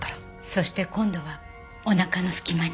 そして今度はお腹の隙間に。